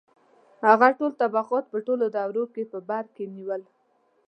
• هغه ټول طبقات په ټولو دورو کې په بر کې نیول.